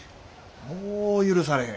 もう許されへん。